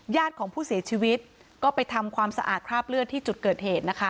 ญาติของผู้เสียชีวิตก็ไปทำความสะอาดคราบเลือดที่จุดเกิดเหตุนะคะ